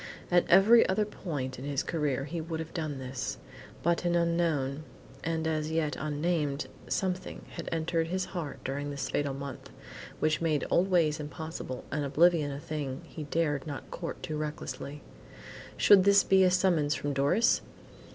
At every other point in his career he would have done this, but an unknown, and as yet unnamed, something had entered his heart during this fatal month, which made old ways impossible and oblivion a thing he dared not court too recklessly. Should this be a summons from Doris!